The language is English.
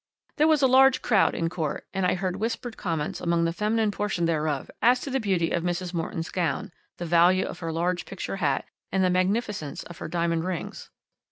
"There was a large crowd in court, and I heard whispered comments among the feminine portion thereof as to the beauty of Mrs. Morton's gown, the value of her large picture hat, and the magnificence of her diamond rings.